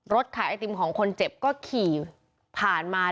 ขายไอติมของคนเจ็บก็ขี่ผ่านมา